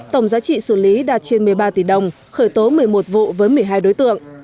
tổng giá trị xử lý đạt trên một mươi ba tỷ đồng khởi tố một mươi một vụ với một mươi hai đối tượng